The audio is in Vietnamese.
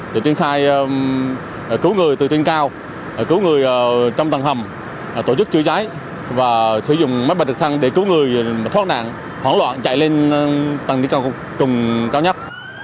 để tuyên khai cứu người từ trên cao cứu người trong tầng hầm tổ chức chữa cháy và sử dụng máy bay thật sân để cứu người thoát nạn khói lọt chạy lên tầng trên cùng cao nhất